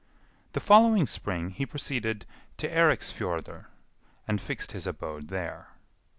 The following spring he proceeded to Eiriksfjordr, and fixed his abode there.